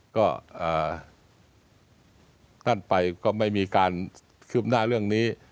ก็นั่นไปก็ไม่มีการคืบหน้าเรื่องนี้